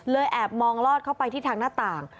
แอบมองลอดเข้าไปที่ทางหน้าต่าง